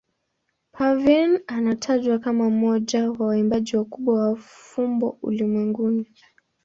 Parveen anatajwa kama mmoja wa waimbaji wakubwa wa fumbo ulimwenguni.